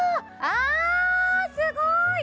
あすごい！